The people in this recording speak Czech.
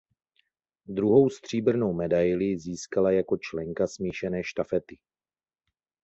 Druhou stříbrnou medaili získala jako členka smíšené štafety.